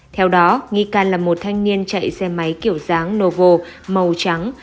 theo đó nghi can là một thanh niên chạy xe máy kiểu dáng novo màu trắng